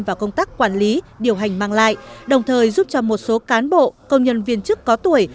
và công tác quản lý điều hành mang lại đồng thời giúp cho một số cán bộ công nhân viên chức có tuổi